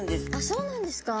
そうなんですか？